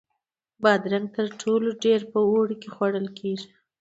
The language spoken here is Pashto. بادرنګ تر ټولو ډېر په اوړي کې خوړل کېږي.